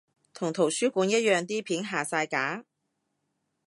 同圖書館一樣啲片下晒架？